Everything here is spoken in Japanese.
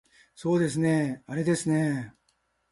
そうですねあれですね